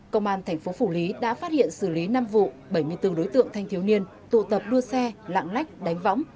công an thành phố phủ lý đã phát hiện xử lý năm vụ bảy mươi bốn đối tượng thanh thiếu niên tụ tập đua xe lạng lách đánh võng